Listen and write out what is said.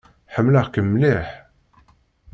Ḥemmleɣ-kem mliḥ.